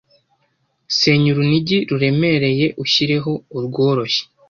Senya urunigi ruremereye ushyireho urworoshye